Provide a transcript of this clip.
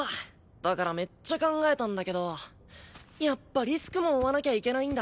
だからめっちゃ考えたんだけどやっぱリスクも負わなきゃいけないんだ